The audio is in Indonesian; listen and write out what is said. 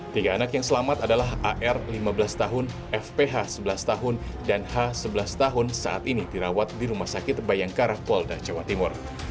tiga anak yang selamat adalah ar lima belas tahun fph sebelas tahun dan h sebelas tahun saat ini dirawat di rumah sakit bayangkara polda jawa timur